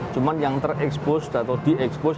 cuma yang terekspos atau diekspos